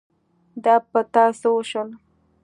دا په تا څه وشول ؟